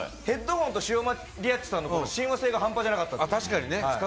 ヘッドフォンとシオマリアッチの親和性が半端なかったです。